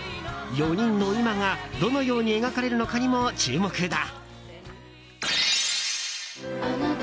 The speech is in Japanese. ４人の今がどのように描かれるのかにも注目だ。